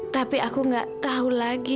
tapi aku gak tahu lagi